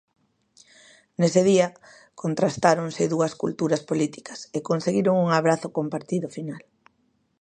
Nese día contrastáronse dúas culturas políticas e conseguiron un abrazo compartido final.